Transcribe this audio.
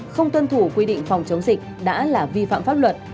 không tuân thủ quy định phòng chống dịch đã là vi phạm pháp luật